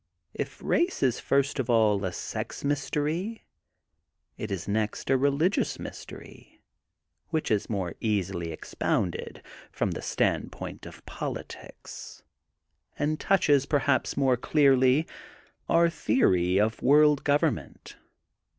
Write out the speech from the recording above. If race is first of all a sex mystery, it is next a religious mystery, which is more easily expounded, from the standpoint of politics, and touches, perhaps more clearly, our theory of World Government.